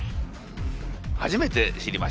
初めて知りました。